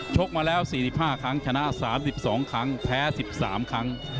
กมาแล้ว๔๕ครั้งชนะ๓๒ครั้งแพ้๑๓ครั้ง